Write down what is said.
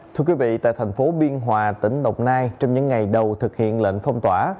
thưa quý vị tại thành phố biên hòa tỉnh đồng nai trong những ngày đầu thực hiện lệnh phong tỏa